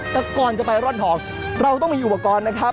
แต่ก่อนจะไปร่อนทองเราต้องมีอุปกรณ์นะครับ